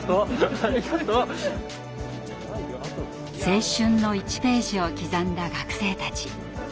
青春の１ページを刻んだ学生たち。